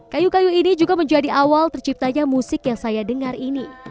kayu kayu ini juga menjadi awal terciptanya musik yang saya dengar ini